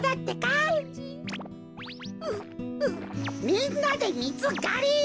みんなでミツがり！